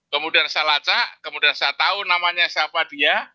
kemudian saya lacak kemudian saya tahu namanya siapa dia